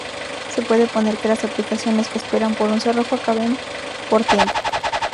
Se puede poner que las aplicaciones que esperan por un cerrojo acaben por tiempo.